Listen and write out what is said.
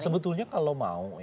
sebetulnya kalau mau